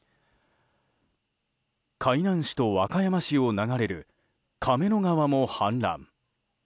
海南市と和歌山市を流れる亀の川も氾濫。